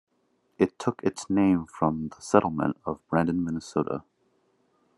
It took its name from the settlement of Brandon, Minnesota.